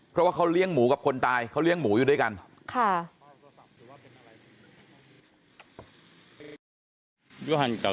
เพราะว่าเขาเลี้ยงหมูกับคนตายเขาเลี้ยงหมูอยู่ด้วยกันค่ะ